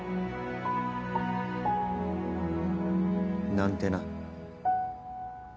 なんてな。